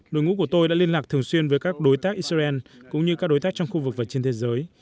đội ngũ của tôi đã liên lạc thường xuyên với các đối tác israel cũng như các đối tác trong khu vực và trên thế giới